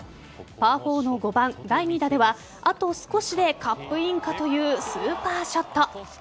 パー４の５番、第２打ではあと少しでカップインかというスーパーショット。